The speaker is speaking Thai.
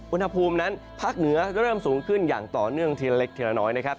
อุณหภูมินั้นภาคเหนือก็เริ่มสูงขึ้นอย่างต่อเนื่องทีละเล็กทีละน้อยนะครับ